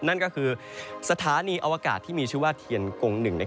นั่นก็คือสถานีอวกาศที่มีชื่อว่าเทียนกงหนึ่ง